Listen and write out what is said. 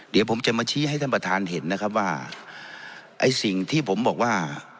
เดี๋ยวผมจะมาชี้ให้ท่านประธานเห็นนะครับว่าไอ้สิ่งที่ผมบอกว่า